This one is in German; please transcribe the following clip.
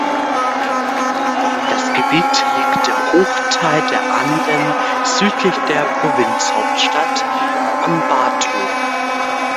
Das Gebiet liegt im Hochtal der Anden südlich der Provinzhauptstadt Ambato.